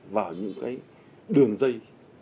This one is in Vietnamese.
vào những đường dây